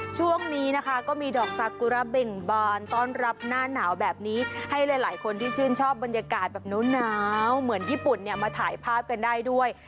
ช่วงนี้นะคะก็มีดอกสากุระเบ่งบานต้อนรับหน้าหนาวแบบนี้ให้หลายคนที่ชื่นชอบบรรยากาศแบบน้าวเหมือนญี่ปุ่นเนี่ยมาถ่ายภาพกันได้ด้วย